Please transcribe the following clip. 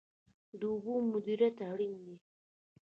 د اوبو مدیریت اړین دی.